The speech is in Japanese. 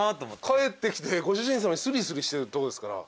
帰ってきてご主人さまにすりすりしてるとこですから。